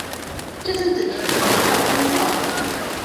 这阵子听说他要工作了